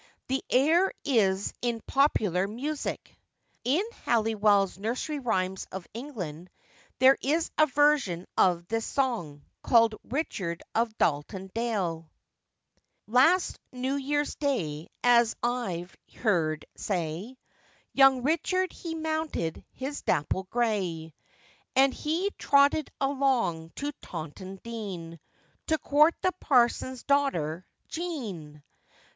The air is in Popular Music. In Halliwell's Nursery Rhymes of England there is a version of this song, called Richard of Dalton Dale. LAST New Year's day, as I've heerd say, Young Richard he mounted his dapple grey, And he trotted along to Taunton Dean, To court the parson's daughter, Jean.